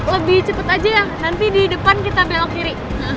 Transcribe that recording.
lebih cepat aja ya nanti di depan kita belok kiri